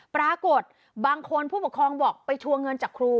ปรากฏบางคนผู้ปกครองบอกไปทัวร์เงินจากครู